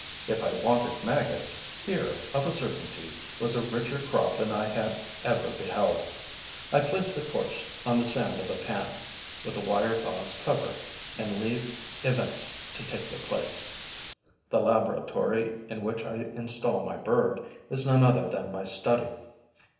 If I wanted maggots, here, of a certainty, was a richer crop than I had ever beheld. I place the corpse on the sand of a pan, with a wire gauze cover, and leave events to take their course. The laboratory in which I install my bird is none other than my study.